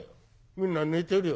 みんな寝てるよ。